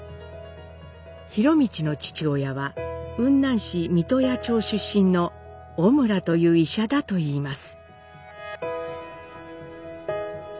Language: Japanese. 博通の父親は雲南市三刀屋町出身の小村という医者だといいます。